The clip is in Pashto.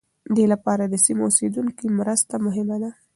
دې لپاره د سیمو اوسېدونکو مرسته مهمه ده.